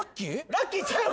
ラッキーちゃう。